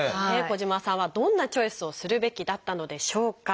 小島さんはどんなチョイスをするべきだったのでしょうか？